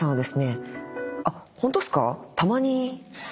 「あっホントっすか？